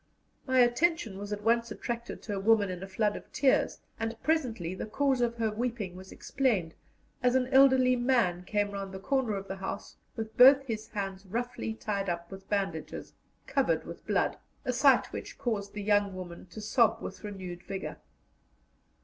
My attention was at once attracted to a woman in a flood of tears, and presently the cause of her weeping was explained, as an elderly man came round the corner of the house with both his hands roughly tied up with bandages covered with blood a sight which caused the young woman to sob with renewed vigour.